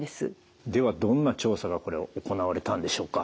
ではどんな調査がこれ行われたんでしょうか？